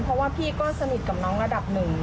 เพราะว่าพี่ก็สนิทกับน้องระดับหนึ่ง